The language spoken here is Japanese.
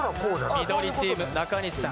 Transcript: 緑チーム、中西さん。